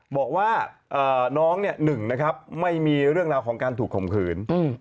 บอกว่าน้องเนี่ย๑นะครับไม่มีเรื่องราวของการถูกข่มขืน